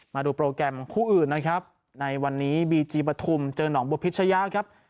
มาดูโปรแกรมคู่อื่นนะครับในวันนี้บีจีปฐุมเจอหนองบุพิชยะครับ